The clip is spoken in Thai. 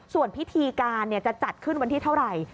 ส่วนพิธีการจะจัดขึ้นวันที่เท่าไหร่